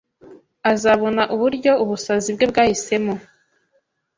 Azabona uburyo ubusazi bwe bwahisemo